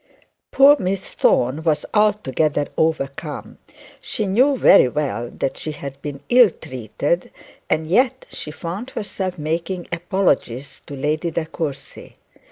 Poor Miss Thorne was altogether overcome. She knew very well that she had been ill treated, and yet she found herself making apologies to Lady De Courcy.